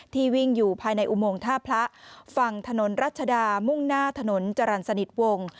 วิ่งอยู่ภายในอุโมงท่าพระฝั่งถนนรัชดามุ่งหน้าถนนจรรย์สนิทวงศ์